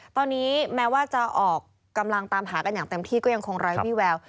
ตอนนี้แม้ว่าจะออกกำลังตามหากันอย่างเต็มที่ก็ยังคงไร้วี่แวว